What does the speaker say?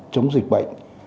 chống dịch bệnh